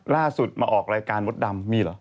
ล่าสุดมาออกรายการมดดำมีเหรอ